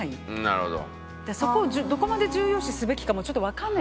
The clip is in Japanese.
なるほど。